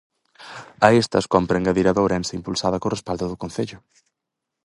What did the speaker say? A estas cómpre engadir a de Ourense, impulsada co respaldo do Concello.